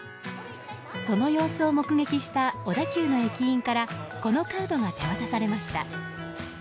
その様子を目撃した小田急の駅員からこのカードが手渡されました。